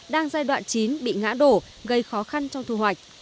đang giai đoạn chín bị ngã đổ gây khó khăn trong thu hoạch